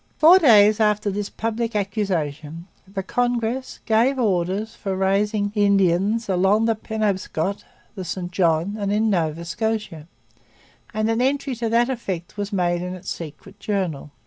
Four days after this public accusation the Congress gave orders for raising Indians along 'the Penobscot, the St John, and in Nova Scotia'; and an entry to that effect was made in its Secret Journal.